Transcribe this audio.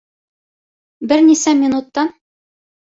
Бер нисә минуттан: